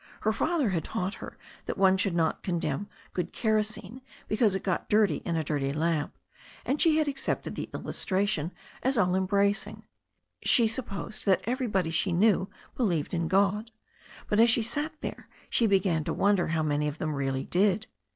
Her father had taught her that one should not condemn good kerosene because it got dirty in a dirty lamp, and she had accepted the illustration as all embracing. She supposed that everybody she knew believed in God. But as she sat there she began to wonder how many of them really did.